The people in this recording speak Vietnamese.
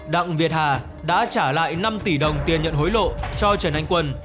đặng việt hà đã trả lại năm tỷ đồng tiền nhận hối lộ cho trần anh quân